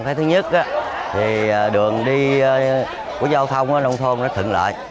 cái thứ nhất thì đường đi của giao thông nông thôn nó thận lợi